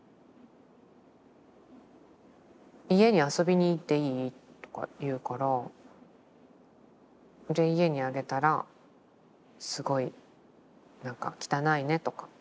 「家に遊びに行っていい？」とか言うからで家に上げたらすごいなんか汚いねとか言われて。